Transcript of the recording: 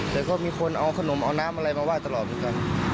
แต่ก็มีคนเอาขนมเอาน้ำอะไรมาไห้ตลอดเหมือนกัน